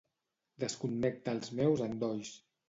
Desconnecta els meus endolls.